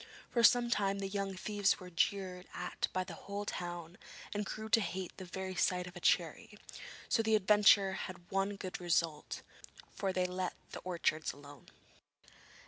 For some time the young thieves were jeered at by the whole town, and grew to hate the very sight of a cherry, so the adventure had one good result, for they let the orchards alone.